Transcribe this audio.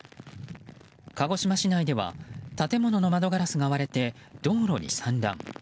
鹿児島市内では建物の窓ガラスが割れて道路に散乱。